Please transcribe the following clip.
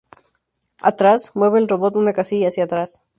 Atrás: Mueve el robot una casilla hacia atrás.